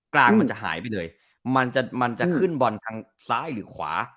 กลางมันจะหายไปเลยมันจะมันจะขึ้นบอลทางซ้ายหรือขวา